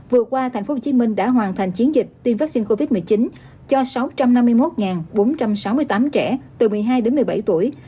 vừa qua thành phố hồ chí minh đã hoàn thành chiến dịch tiêm vaccine covid một mươi chín cho sáu trăm năm mươi một bốn trăm sáu mươi tám trẻ từ một mươi hai đến một mươi bảy tuổi